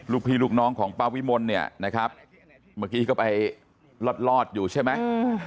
ลูกพี่ลูกน้องของป้าวิมลเนี่ยนะครับเมื่อกี้ก็ไปรอดอยู่ใช่ไหม